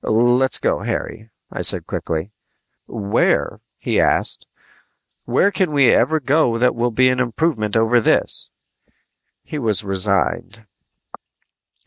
"Let's go, Harry," I said quickly. "Where?" he asked. "Where can we ever go that will be an improvement over this?" He was resigned.